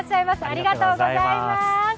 ありがとうございます。